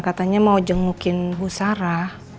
katanya mau jengukin husara